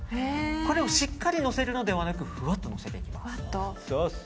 これをしっかりのせるのではなくふわっとのせていきます。